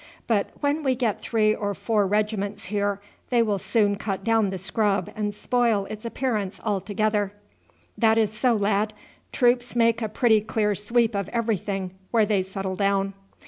But when we get three or four regiments here they will soon cut down the scrub and spoil its appearance altogether." "That is so, lad; troops make a pretty clear sweep of everything where they settle down."